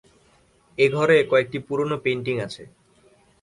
এ-ঘরে কয়েকটি পুরনো পেইনটিং আছে।